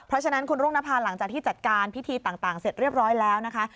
เพราะฉะนั้นคุณรุ่งนภาหลังจากที่จัดการพิธีต่างเสร็จเรียบร้อยแล้วนะคะ